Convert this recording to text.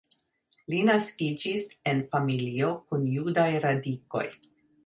Li naskiĝis en familio kun judaj radikoj.